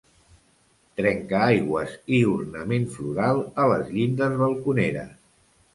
Trencaaigües i ornament floral a les llindes balconeres.